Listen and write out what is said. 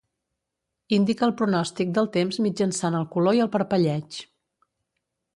Indica el pronòstic del temps mitjançant el color i el parpelleig.